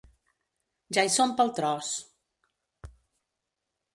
Ja hi som pel tros!